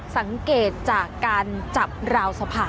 สังเกตจากการจับราวสะพาน